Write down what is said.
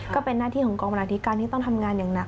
ก็เป็นหน้าที่ของกองบรรณาธิการที่ต้องทำงานอย่างหนัก